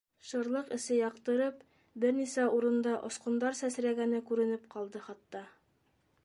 Шырлыҡ эсе яҡтырып, бер-нисә урында осҡондар сәсрәгәне күренеп ҡалды хатта.